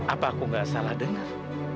apa aku gak salah dengar